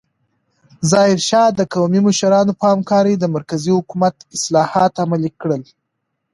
ظاهرشاه د قومي مشرانو په همکارۍ د مرکزي حکومت اصلاحات عملي کړل.